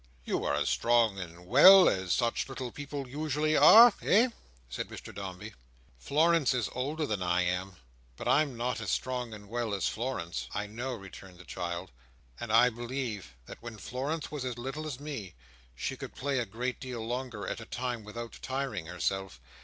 "You are as strong and well as such little people usually are? Eh?" said Mr Dombey. "Florence is older than I am, but I'm not as strong and well as Florence, "I know," returned the child; "and I believe that when Florence was as little as me, she could play a great deal longer at a time without tiring herself.